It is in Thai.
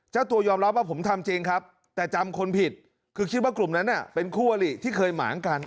เจ้าตัวยอมรับว่าผมทำจริงครับแต่จำคนผิดคือคิดว่ากลุ่มนั้นเป็นคู่อลิที่เคยหมางกัน